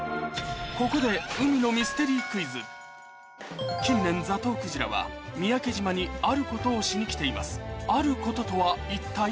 ここで近年ザトウクジラは三宅島にあることをしに来ていますあることとは一体？